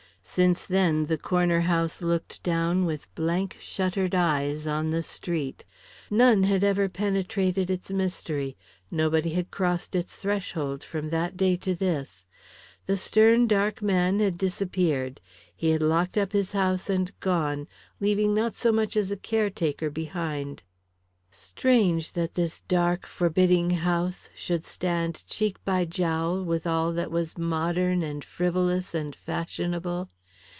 Since then the Corner House looked down with blank shuttered eyes on the street. None had ever penetrated its mystery, nobody had crossed its threshold from that day to this. The stern dark man had disappeared; he had locked up his house and gone, leaving not so much as a caretaker behind. Strange that this dark, forbidding house should stand cheek by jowl with all that was modern and frivolous and fashionable.